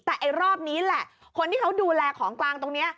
แต่ไอ้รอบนี้แหละคนที่เขาดูแลของกลางตรงนี้